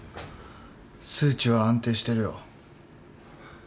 数値は安定してるよ。